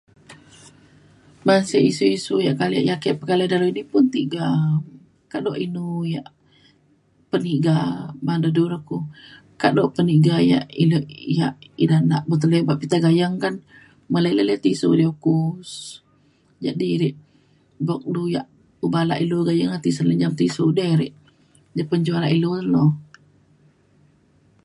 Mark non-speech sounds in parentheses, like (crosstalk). ban sek isiu isiu yak kale ake pekale pake dalau ini pun tiga kado inu yak peniga ban da du re ku kado peniga yak ilu yak ida nak (unintelligible) pita gayeng kan malei lei di tisu de ku jadi ri buk du yak obak ilu gayeng na tisen le jam ti su de ri ja pa ja ilu (unintelligible)